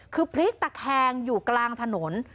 คือพลิกตะแคงอยู่กลางถนน